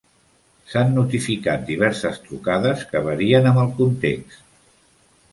S'han notificat diverses trucades que varien amb el context.